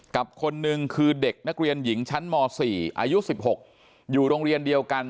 คนหนึ่งคือเด็กนักเรียนหญิงชั้นม๔อายุ๑๖อยู่โรงเรียนเดียวกัน